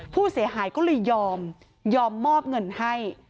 ผู้เสียหายก็เลยยอมยอมมอบเงินให้